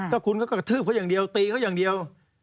ถ้าคุณก็กระทืบเขาอย่างเดียวตีเขาอย่างเดียว